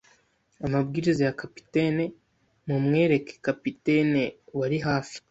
amabwiriza ya capitaine. Mumwereke. ” Kapiteni, wari hafi